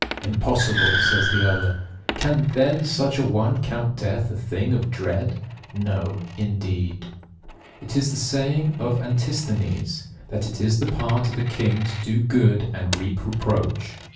'Impossible,' says the other. 'Can then such a one count death a thing of dread?' 'No, indeed.'" 36. It is a saying of Antisthenes, that it is the part of a king to do good and reap reproach.